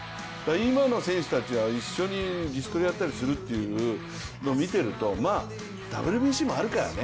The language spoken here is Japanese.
今の選手たちは一緒に自主トレやったりするというのを見ていると、まあ、ＷＢＣもあるからね。